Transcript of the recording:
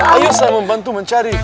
ayo saya membantu mencari